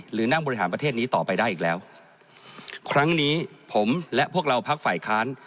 หรือนั่งบริหารประเทศนี้ต่อไปได้อีกแล้วครั้งนี้ผมและพวกเราพักฝ่ายค้าน